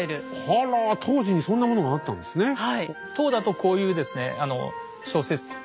あら当時にそんなものがあったんですね。